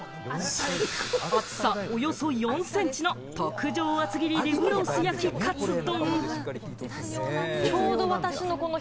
厚さおよそ４センチの、特上厚切リブロース焼きかつ丼。